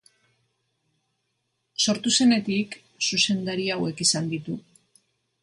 Sortu zenetik, zuzendari hauek izan ditu.